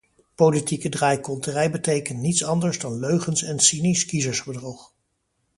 Politieke draaikonterij betekent niets anders dan leugens en cynisch kiezersbedrog.